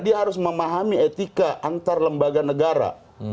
dia harus memahami etika antar lembaga negara